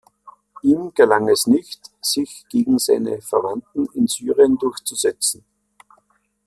Ihm gelang es nicht, sich gegen seine Verwandten in Syrien durchzusetzen.